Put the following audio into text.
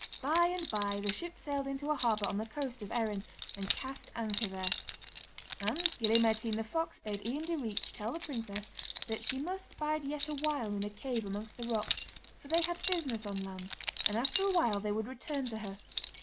By and by the ship sailed into a harbour on the coast of Erin, and cast anchor there. And Gille Mairtean the fox bade Ian Direach tell the princess that she must bide yet a while in a cave amongst the rocks, for they had business on land, and after a while they would return to her.